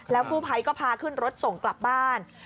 กู้ภัยก็พาขึ้นรถส่งกลับบ้าน